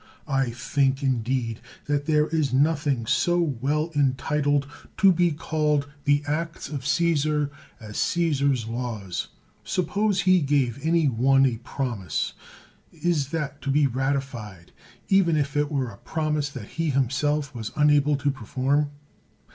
I think, indeed, that there is nothing so well entitled to be called the acts of Caesar as Caesar's laws. Suppose he gave any one a promise, is that to be ratified, even if 156 CICERO it were a promise that he himself was unable to perform